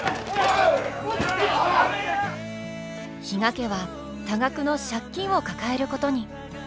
比嘉家は多額の借金を抱えることに。